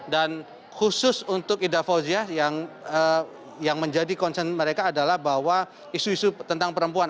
dan khusus untuk ida fauziah yang menjadi concern mereka adalah bahwa isu isu tentang perempuan